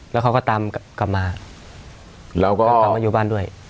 แล้วเขาก็ตามกลับมาเราก็กลับมาอยู่บ้านด้วย